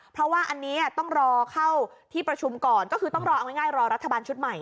เพราะว่าอันนี้ต้องรอเข้าที่ประชุมก่อนก็คือต้องรอเอาง่ายรอรัฐบาลชุดใหม่